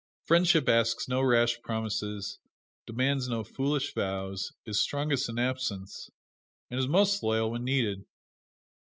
Friendship asks no rash promises, demands no foolish vows, is strongest in absence, and most loyal when needed.